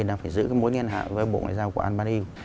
là phải giữ mối liên hạng với bộ ngoại giao của albania